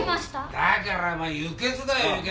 だからお前輸血だよ輸血。